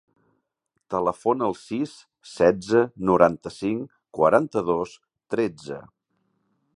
Telefona al sis, setze, noranta-cinc, quaranta-dos, tretze.